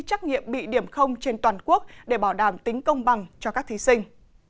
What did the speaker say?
trắc nghiệm bị điểm trên toàn quốc để bảo đảm tính công bằng cho các thí sinh